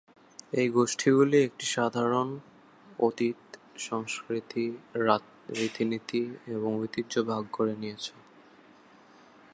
এই গোষ্ঠীগুলি একটি সাধারণ অতীত, সংস্কৃতি, রীতিনীতি এবং ঐতিহ্য ভাগ করে নিয়েছে।